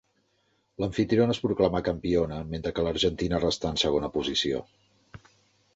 L'amfitriona es proclamà campiona, mentre que l'Argentina restà en segona posició.